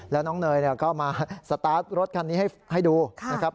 แล้วน้องเนยก็มาสตาร์ทรถคันนี้ให้ดูนะครับ